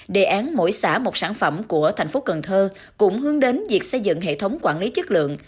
đề án mỗi xã một sản phẩm của thành phố cần thơ cũng hướng đến việc xây dựng hệ thống quản lý chất lượng